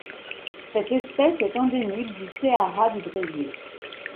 Cette espèce est endémique du Ceará du Brésil.